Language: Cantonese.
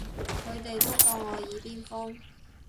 佢哋都當我耳邊風